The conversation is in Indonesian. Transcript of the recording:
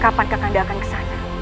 kapan kakanda akan kesana